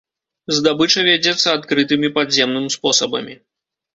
Здабыча вядзецца адкрытым і падземным спосабамі.